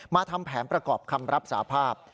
ทำแผนประกอบคำรับสาภาพ